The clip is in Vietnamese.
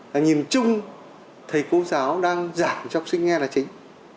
là nhìn chung thầy cô giáo đang giảng cho học sinh nghe là chính